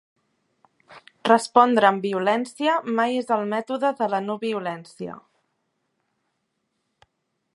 Respondre amb violència mai és el mètode de la no-violència.